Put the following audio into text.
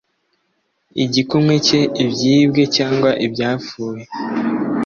igikumwe cye ibyibwe cyangwa ibyapfuye